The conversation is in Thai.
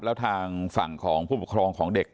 แล้วทางฝั่งของผู้ปกครองของเด็ก